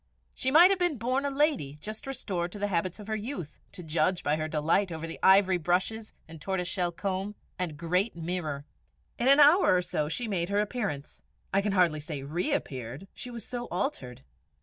She might have been a born lady just restored to the habits of her youth, to judge by her delight over the ivory brushes and tortoise shell comb, and great mirror. In an hour or so she made her appearance I can hardly say reappeared, she was so altered.